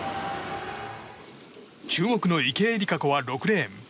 注目の池江璃花子は６レーン。